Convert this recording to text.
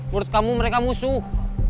menurut kamu mereka musuh